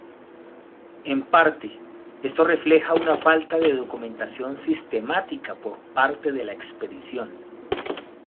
En parte, esto refleja una falta de documentación sistemática por parte de la expedición.